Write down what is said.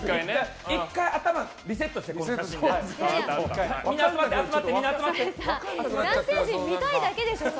１回頭リセットしようか。